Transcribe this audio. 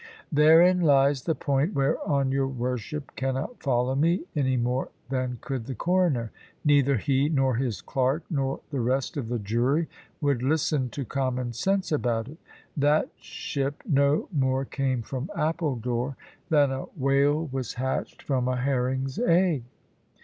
"Therein lies the point whereon your worship cannot follow me, any more than could the Coroner. Neither he, nor his clerk, nor the rest of the jury, would listen to common sense about it. That ship no more came from Appledore than a whale was hatched from a herring's egg."